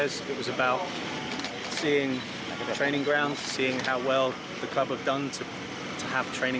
tapi tentang melihat latihan melihat seberapa baik pelatih terbuat untuk memiliki latihan seperti ini